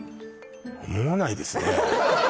思わないですね